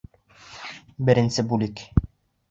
БЕРЕНСЕ БҮЛЕК